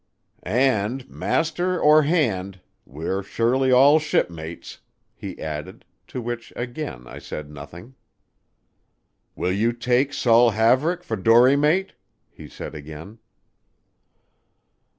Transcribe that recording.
"And, master or hand, we're surely all shipmates," he added; to which again I said nothing. "Will you take Saul Haverick for dory mate?" he said again.